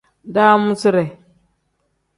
Daamuside.